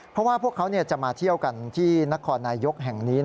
เพราะว่าพวกเขาจะมาเที่ยวกันที่นครนายยกแห่งนี้